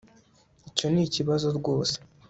Icyo nikibazo rwose